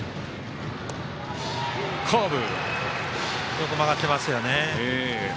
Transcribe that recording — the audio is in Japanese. よく曲がってますよね。